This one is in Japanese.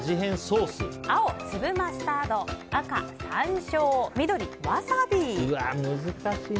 青、粒マスタード赤、さんしょう難しいな。